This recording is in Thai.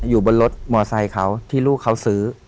อยู่บนรถมอไซค์เขาที่ลูกเขาซื้อ